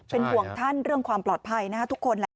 เป็นห่วงท่านเรื่องความปลอดภัยนะคะทุกคนแหละ